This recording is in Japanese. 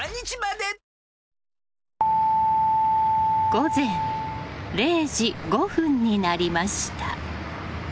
午前０時５分になりました。